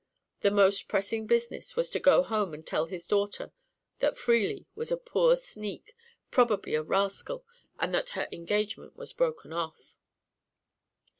The most pressing business was to go home and tell his daughter that Freely was a poor sneak, probably a rascal, and that her engagement was broken off.